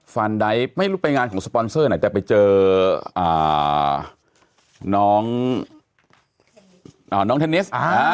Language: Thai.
ฟานไดป์ไม่รู้เป็นงานของสปอนเซอร์จะไปเจอน้องเทนนิส